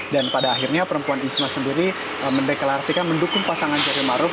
dan pada akhirnya perempuan ijma sendiri mendeklarasikan mendukung pasangan jokowi maruf